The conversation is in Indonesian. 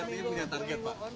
tapi ini punya target pak